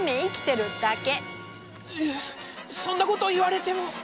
いやそんなこと言われても。